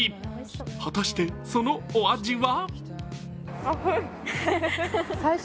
果たしてそのお味は？